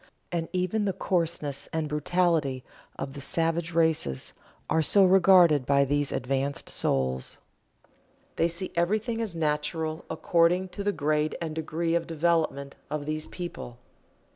And even the coarseness and brutality of the savage races are so regarded by these advanced souls. They see everything as natural according to the grade and degree of development of these people.